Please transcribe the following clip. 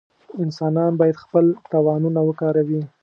انسانان باید خپل توانونه وکاروي.